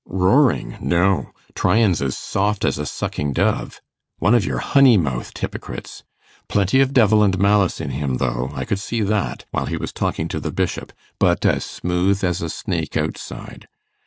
'Roaring? No; Tryan's as soft as a sucking dove one of your honey mouthed hypocrites. Plenty of devil and malice in him, though, I could see that, while he was talking to the Bishop; but as smooth as a snake outside.